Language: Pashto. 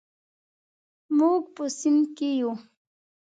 موږ په صنف کې یو.